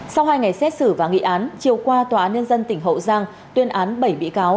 sau hai ngày xét xử và nghị án chiều qua tòa án nhân dân tỉnh hậu giang tuyên án bảy bị cáo